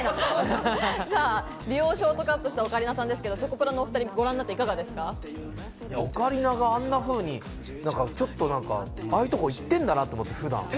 美容ショートカットしたオカリナさんですが、チョコプラのお２人、オカリナがあんなふうに、ちょっとああいうところ行ってんだなって、普段。